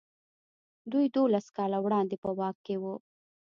دوی دولس کاله وړاندې په واک کې وو.